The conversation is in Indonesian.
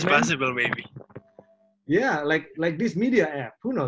ya seperti aplikasi media ini